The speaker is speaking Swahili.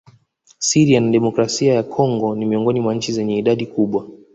Syria na demokrasia ya Kongo ni miongoni mwa nchi zenye idadi kubwa